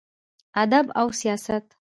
ادب او سياست: